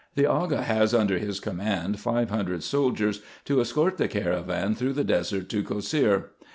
The Aga has under his command five hundred soldiers, to escort the caravan through the desert to Cosseir.